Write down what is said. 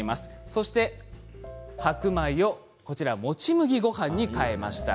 そして白米をもち麦ごはんに変えました。